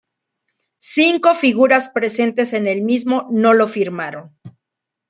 Cinco figuras presentes en el mismo no lo firmaron.